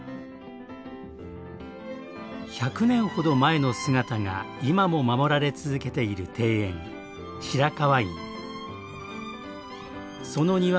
１００年ほど前の姿が今も守られ続けている庭園白河院。